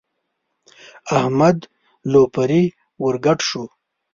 احمد لو پرې ور ګډ شو.